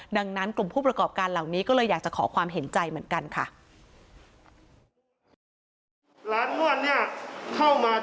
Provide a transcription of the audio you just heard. ดังนั้นกลุ่มผู้ประกอบการเหล่านี้ก็เลยอยากจะขอความเห็นใจเหมือนกันค่ะ